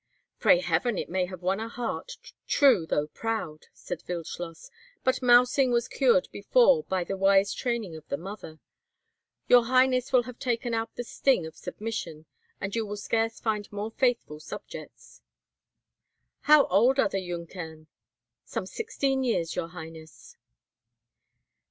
"Pray Heaven it may have won a heart, true though proud!" said Wildschloss; "but mousing was cured before by the wise training of the mother. Your highness will have taken out the sting of submission, and you will scarce find more faithful subjects." "How old are the Junkern?" "Some sixteen years, your highness."